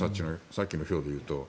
さっきの票でいうと。